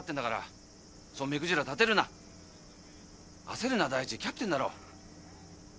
焦るな大地キャプテンだろ。